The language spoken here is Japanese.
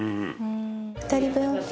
２人分。